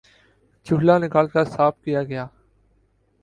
چولہا نکال کر صاف کیا گیا